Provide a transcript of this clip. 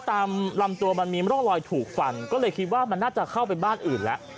ตามลำตัวมันมีร่องรอยถูกฟันก็เลยคิดว่ามันน่าจะเข้าไปบ้านอื่นแล้ว